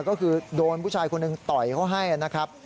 ก็คือโดนผู้ชายคนหนึ่งต่อยเขาให้นะครับ